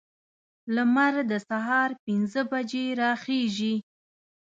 لمر د سهار پنځه بجې راخیزي.